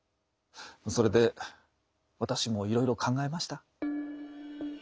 それで私もいろいろ考えました。